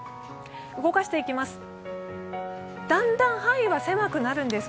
動かしていきます。